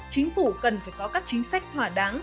chính phủ cần phải có các chính sách thỏa đáng